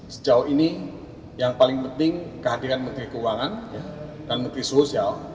sejauh ini yang paling penting kehadiran menteri keuangan dan menteri sosial